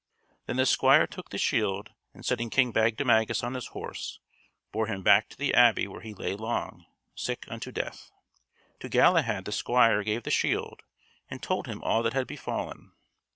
Then the squire took the shield and setting King Bagdemagus on his horse, bore him back to the abbey where he lay long, sick unto death. To Galahad the squire gave the shield and told him all that had befallen.